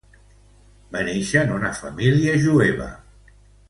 Va nàixer en una família jueva.